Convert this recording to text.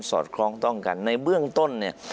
อดคล้องต้องกันในเบื้องต้นเนี่ย